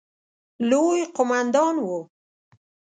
لوی قوماندان وو.